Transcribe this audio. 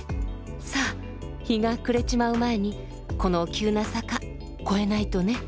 さあ日が暮れちまう前にこの急な坂越えないとね。